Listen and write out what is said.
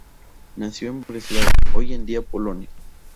Nacido en Breslau, hoy en día Polonia.